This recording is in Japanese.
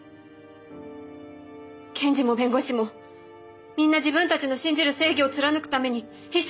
検事も弁護士もみんな自分たちの信じる正義を貫くために必死で闘ってるんです！